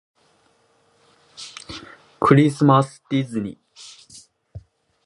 クリスマスディズニー